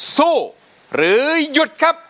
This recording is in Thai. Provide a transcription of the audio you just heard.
สู้หรือหยุดครับ